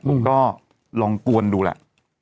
ผมก็ลองกวนดูแหละ